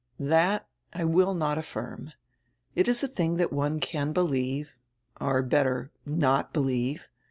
"That I will not affirm. It is a tiling that one can be lieve or, better, not believe.